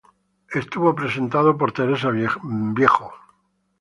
Estuvo presentado por Teresa Viejo.